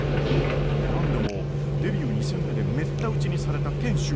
何でもデビュー２戦目でめった打ちにされた賢秀は。